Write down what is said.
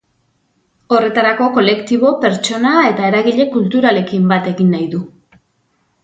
Horretarako, kolektibo, pertsona eta eragile kulturalekin bat egin nahi du.